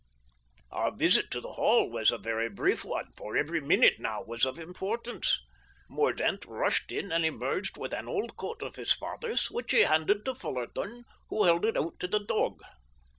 Our visit to the Hall was a very brief one, for every minute now was of importance. Mordaunt rushed in and emerged with an old coat of his father's, which he handed to Fullarton, who held it out to the dog.